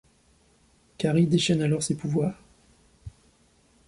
Carrie déchaîne alors ses pouvoirs.